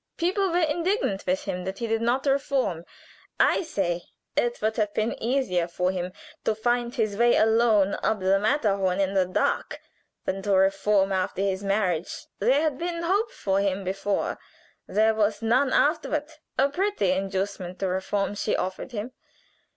People were indignant with him that he did not reform. I say it would have been easier for him to find his way alone up the Matterhorn in the dark than to reform after his marriage. "There had been hope for him before there was none afterward. A pretty inducement to reform, she offered him!